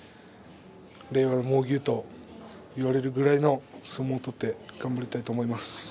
令和の猛牛といわれるぐらいの相撲を取って頑張りたいと思います。